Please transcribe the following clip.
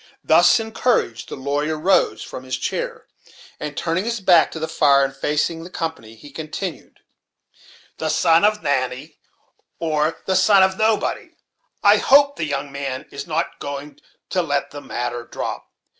Thus encouraged, the lawyer rose from his chair, and turning his back to the fire, and facing the company, he continued: "The son of Natty, or the son of nobody, I hope the young man is not going to let the matter drop.